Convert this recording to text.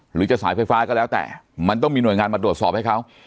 หรือจะสายไฟฟ้าก็แล้วแต่มันต้องมีหน่วยงานมาตรวจสอบให้เขา